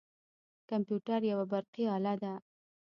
کمپیوتر یوه برقي اله ده.